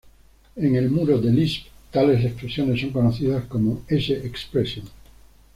En el mundo de Lisp tales expresiones son conocidas como S-expressions.